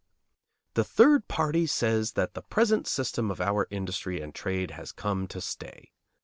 The third party says that the present system of our industry and trade has come to stay.